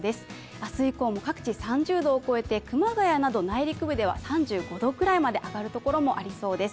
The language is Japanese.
明日以降も各地３０度を超えて熊谷など内陸部では３５度くらいまで上がるところもありそうです。